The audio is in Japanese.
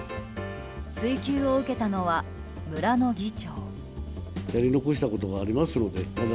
追及を受けたのは、村の議長。